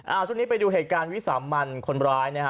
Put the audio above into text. ช่วงนี้ไปดูเหตุการณ์วิสามันคนร้ายนะฮะ